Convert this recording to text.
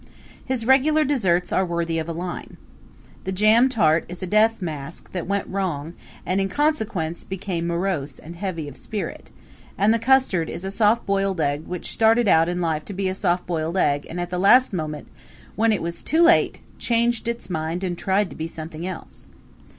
His regular desserts are worthy of a line. The jam tart is a death mask that went wrong and in consequence became morose and heavy of spirit, and the custard is a soft boiled egg which started out in life to be a soft boiled egg and at the last moment when it was too late changed its mind and tried to be something else.